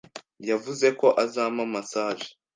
yavuze ko azampa massage.